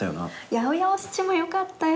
『八百屋お七』もよかったよ。